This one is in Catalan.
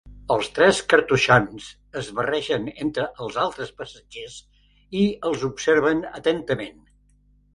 Els tres cartoixans es barregen entre els altres passatgers i els observen atentament.